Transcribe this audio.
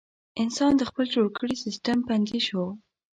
انسان د خپل جوړ کړي سیستم بندي شو.